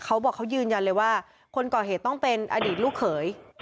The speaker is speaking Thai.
เขาบอกเขายืนยันเลยว่าคนก่อเหตุต้องเป็นอดีตลูกเขย